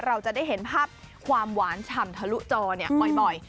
เราจะได้เห็นภาพความหวานฉ่ำทะลุจอบ่อย